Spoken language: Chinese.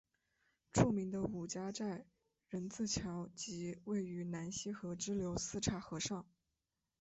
著名的五家寨人字桥即位于南溪河支流四岔河上。